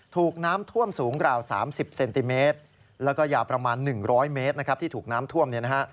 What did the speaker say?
ถูกน้ำท่วมสูงราว๓๐เซนติเมตรและยาประมาณ๑๐๐เมตร